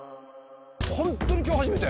ホントに今日初めて？